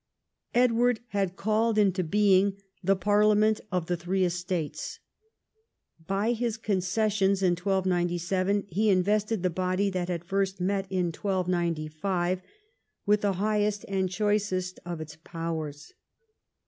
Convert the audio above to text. Edward had called into being the parliament of the thi'ee estates. By his concessions in 1297, he invested the body that had first met in 1295 with the highest and choicest of its powers.